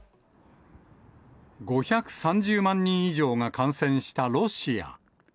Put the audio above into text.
５３０万人以上が感染したロシア。